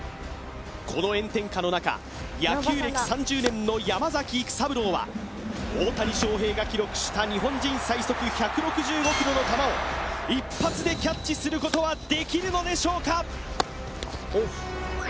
この炎天下の中野球歴３０年の山崎育三郎は大谷翔平が記録した日本人最速１６５キロの球を一発でキャッチすることはできるのでしょうか？